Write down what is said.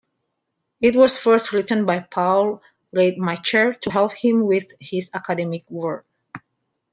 It was first written by Paul Rademacher to help him with his academic work.